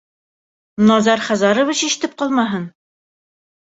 Назар Хазарович ишетеп ҡалмаһын!